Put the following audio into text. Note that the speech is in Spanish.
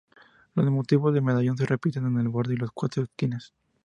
Los motivos del medallón se repiten en el borde y las cuatro esquinas.